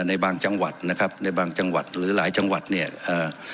ในบางจังหวัดนะครับในบางจังหวัดหรือหลายจังหวัดเนี่ยอ่า